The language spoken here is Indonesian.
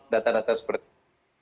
data data seperti itu